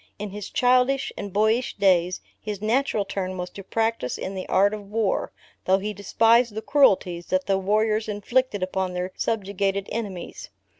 In his childish and boyish days, his natural turn was to practise in the art of war, though he despised the cruelties that the warriors inflicted upon their subjugated enemies.